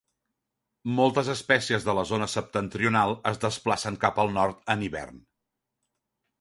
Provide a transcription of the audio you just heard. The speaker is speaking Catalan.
Moltes espècies de la zona septentrional, es desplacen cap al nord en hivern.